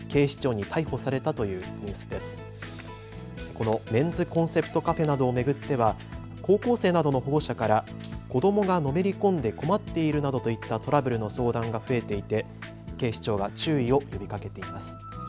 このメンズコンセプトカフェなどを巡っては高校生などの保護者から子どもがのめり込んで困っているなどといったトラブルの相談が増えていて警視庁は注意を呼びかけています。